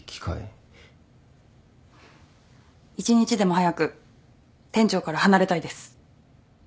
一日でも早く店長から離れたいです。